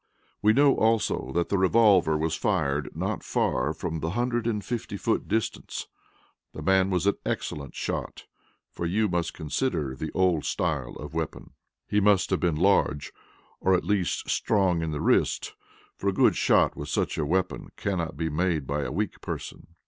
"We know also that the revolver was fired not far from the hundred and fifty foot distance; the man was an excellent shot, for you must consider the old style of weapon. "He must have been large, or at least strong in the wrist, for a good shot with such a weapon cannot be made by a weak person."